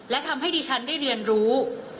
และทำให้ดิฉันได้เรียนรู้